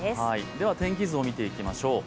では天気図を見ていきましょう。